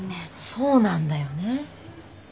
そうなんだよね。